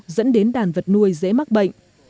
dẫn đến đàn vật nuôi dễ mắc bệnh